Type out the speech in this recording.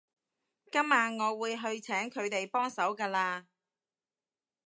今晚我會去請佢幫手㗎喇